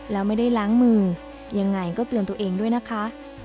แล้วไม่ได้ล้างมือยังไงก็เตือนตัวเองด้วยนะคะ